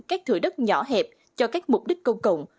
các thủ đất nhỏ hẹp cho các mục đích công cộng